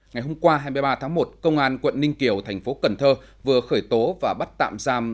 ngày hôm qua hai mươi ba tháng một công an quận ninh kiều thành phố cần thơ vừa khởi tố và bắt tạm giam